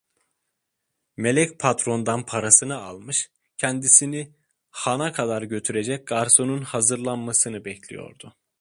Melek patrondan parasını almış, kendisini hana kadar götürecek garsonun hazırlanmasını bekliyordu.